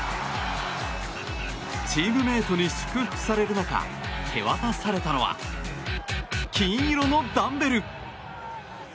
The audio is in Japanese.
チームメートに祝福される中手渡されたのは金色のダンベル。